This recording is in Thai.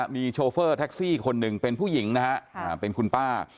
มีโชเฟอร์แท็กซี่คนหนึ่งเป็นผู้หญิงนะฮะเป็นคุณป้า